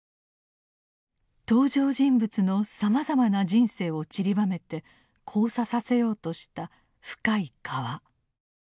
登場人物のさまざまな人生をちりばめて交差させようとした「深い河」。